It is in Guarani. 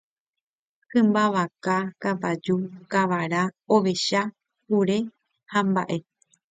Hymba vaka, kavaju, kavara, ovecha, kure hamba'e